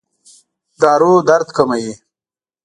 دارو درد کموي؟